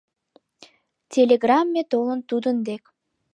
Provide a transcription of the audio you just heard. Телеграмме толын тудын дек: